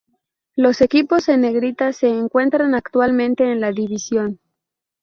Los equipos en negrita se encuentran actualmente en la división.